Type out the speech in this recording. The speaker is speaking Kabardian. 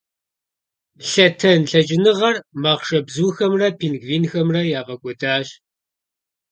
Лъэтэн лъэкӀыныгъэр махъшэбзухэмрэ пингвинхэмрэ яфӀэкӀуэдащ.